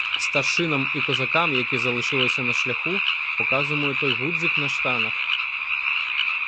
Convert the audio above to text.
Старшинам і козакам, які залишилися на шляху, показуємо той гудзик на штанах.